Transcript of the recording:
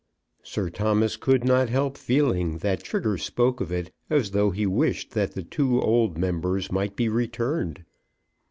Sir Thomas could not help feeling that Trigger spoke of it as though he wished that the two old members might be returned.